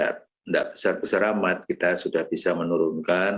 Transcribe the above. tidak besar besar amat kita sudah bisa menurunkan